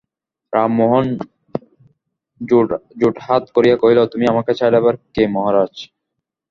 রামমোহন জোড়হাত করিয়া কহিল, তুমি আমাকে ছাড়াইবার কে, মহারাজ?